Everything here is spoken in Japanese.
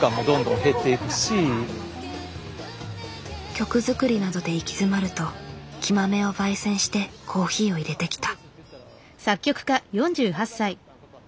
曲作りなどで行き詰まると生豆を焙煎してコーヒーを淹れてきた。